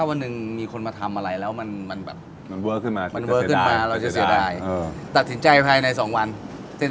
ซึ่งยังไม่รู้เรื่อยักษ์จะทำอะไร